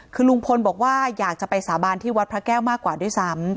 คือลุงพลบอกว่าอยากจะไปสาบานที่วัดพระแก้วมากกว่าด้วยซ้ำ